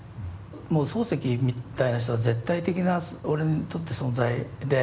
もう漱石みたいな人は絶対的な俺にとって存在で。